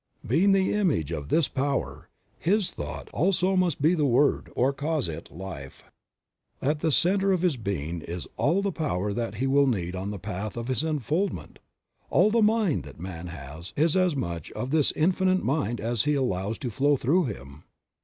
Being the image of this Power, his thought also must be the Word or cause in the life. At the center of his being is all the power that he will need on the path of his unf oldment ; all the mind that man has is as much of this Infinite Mind as he allows to flow through him.